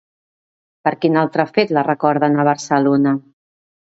Per quin altre fet la recorden a Barcelona?